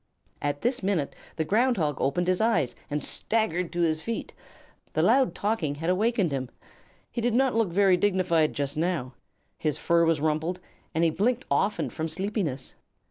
At this minute the Ground Hog opened his eyes and staggered to his feet. The loud talking had awakened him. He did not look very dignified just now. His fur was rumpled, and he blinked often from sleepiness.